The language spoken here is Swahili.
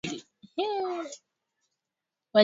Wanyama wanaoathiriwa kwenye kundi